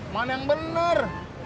mana yang bener